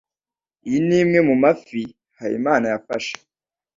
Iyi ni imwe mu mafi Habimana yafashe.